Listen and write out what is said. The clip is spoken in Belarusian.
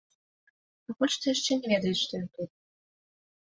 Пакуль што яшчэ не ведаюць, што ён тут.